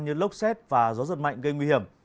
như lốc xét và gió giật mạnh gây nguy hiểm